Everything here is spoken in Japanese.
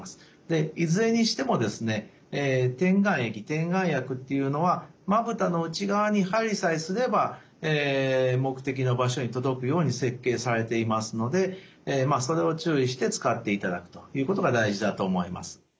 でいずれにしてもですね点眼液点眼薬っていうのはまぶたの内側に入りさえすれば目的の場所に届くように設計されていますのでまあそれを注意して使っていただくということが大事だと思います。